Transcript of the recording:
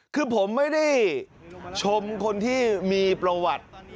คือผมไม่ได้ชมคนที่มีประวัติ